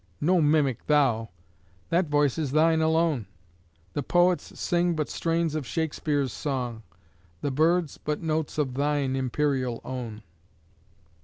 No mimic thou! That voice is thine alone! The poets sing but strains of Shakespeare's song; The birds, but notes of thine imperial own!